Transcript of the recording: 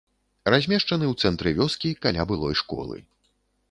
Размешчаны ў цэнтры вёскі каля былой школы.